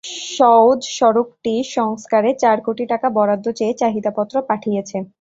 এরপর সওজ সড়কটি সংস্কারে চার কোটি টাকা বরাদ্দ চেয়ে চাহিদাপত্র পাঠিয়েছে।